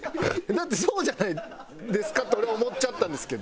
だってそうじゃないですかって俺は思っちゃったんですけど。